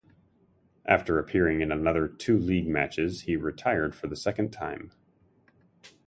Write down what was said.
After appearing in another two league matches, he retired for the second time.